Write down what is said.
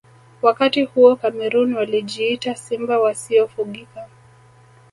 wakati huo cameroon walijiita simba wasiofugika